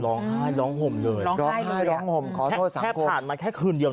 ร้องไห้ร้องห่มเลยร้องไห้ร้องห่มขอโทษสังคมผ่านมาแค่คืนเดียว